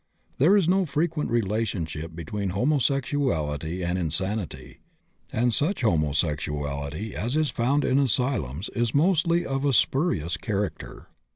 There is no frequent relationship between homosexuality and insanity, and such homosexuality as is found in asylums is mostly of a spurious character.